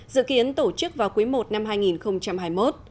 dự kiến tổ chức vào cuối một năm hai nghìn hai mươi một